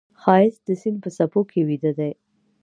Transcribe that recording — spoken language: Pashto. ښایست د سیند په څپو کې ویده دی